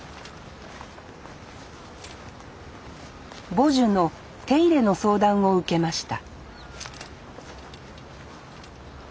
母樹の手入れの相談を受けました